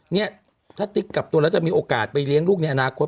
เนี่ยถ้าติ๊กกลับตัวแล้วจะมีโอกาสไปเลี้ยงลูกในอนาคต